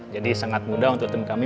jadi sangat mudah untuk tim kami